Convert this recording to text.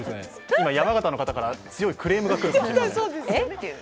今、山形の方から強いクレームが来るという。